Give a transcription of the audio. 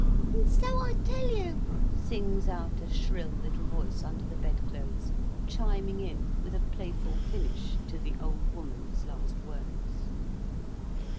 "And so I tell you!" sings out a shrill, little voice under the bedclothes, chiming in with a playful finish to the old woman's last words.